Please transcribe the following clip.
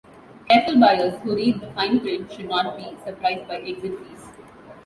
Careful buyers who read the fine print should not be surprised by exit fees.